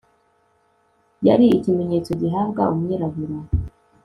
yari ikimenyetso gihabwa umwirabura